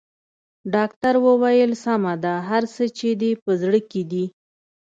ډاکټر وويل سمه ده هر څه چې دې په زړه کې دي.